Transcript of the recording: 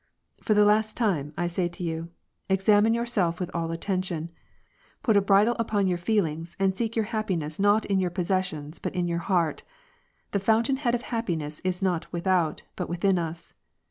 " For the last time, I say to you :^ Examine yourself with all attention ! Put a bridle upon your feelings, and seek your happiness not in your passions but in your heart. The foun tain head of happiness is not without but within us.'